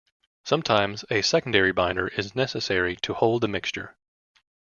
Sometimes a secondary binder is necessary to hold the mixture.